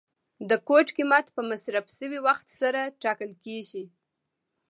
د کوټ قیمت په مصرف شوي وخت سره ټاکل کیږي.